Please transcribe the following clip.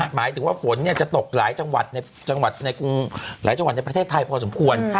หมายถึงว่าฝนนี้จะตกหลายจังหวัดในประเทศไทยพอสมควร